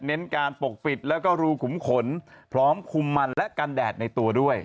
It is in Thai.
เน้นการปกปิดแล้วก็รูขุมขนพร้อมคุมมันและกันแดดในตัวด้วย